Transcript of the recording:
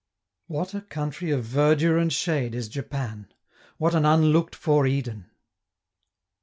What a country of verdure and shade is Japan; what an unlooked for Eden!